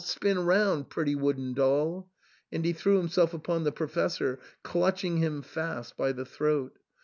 spin round, pretty wooden doll !" and he threw himself upon the Professor, clutching him fast by the throat.